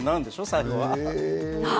最後は。